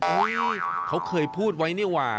เฮ่ยเขาเคยพูดไว้นี่หว่า